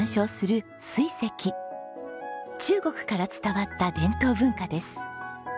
中国から伝わった伝統文化です。